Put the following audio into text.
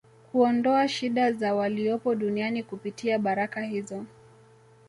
kuondoa shida za waliopo duniani kupitia baraka hizo